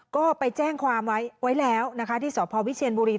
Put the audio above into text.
ก็ไปแจ้งความไว้แล้วนะคะที่สพวิเชียนบุรี